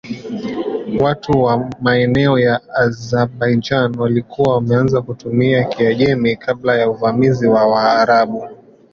Watu wa maeneo ya Azerbaijan walikuwa wameanza kutumia Kiajemi kabla ya uvamizi wa Waarabu.